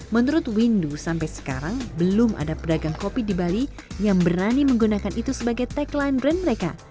menurut windu sampai sekarang belum ada pedagang kopi di bali yang berani menggunakan itu sebagai tagline brand mereka